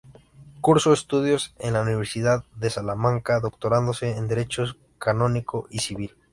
Cursó estudios en la Universidad de Salamanca, doctorándose en derecho canónico y civil.